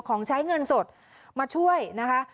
ของใช้เงินสดมาช่วยนะคะ